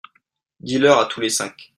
Dis leur à tous les cinq.